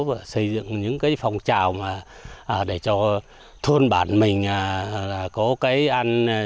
và xây dựng những cái phòng trào để cho thôn bản mình có cái ăn